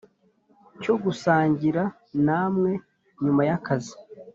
cyogusangira namwe nyuma yakazi